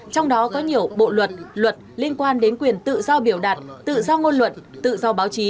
trong đó có nhiều bộ luật luật liên quan đến quyền tự do biểu đạt tự do ngôn luận tự do báo chí